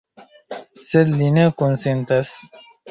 Sed li ne konsentas.